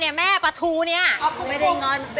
มันแค่ปลาทูนี่